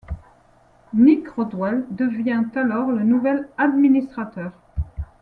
Nick Rodwell devient alors le nouvel administrateur.